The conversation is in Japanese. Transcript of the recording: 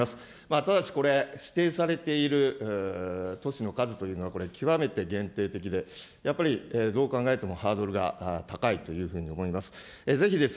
ただし、これ、指定されている都市の数というのは、これ、極めて限定的で、やっぱり、どう考えてもハードルが高いというふうに思います。